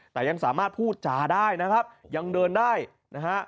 แต่ยังสามารถพูดจาได้นะครับยังเดินได้นะฮะ